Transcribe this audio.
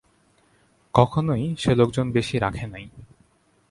কখনোই সে লোকজন বেশি রাখে নাই।